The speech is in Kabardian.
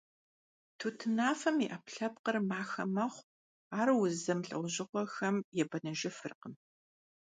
Тутынафэм и Ӏэпкълъэпкъыр махэ мэхъу, ар уз зэмылӀэужьыгъуэхэм ебэныжыфыркъым.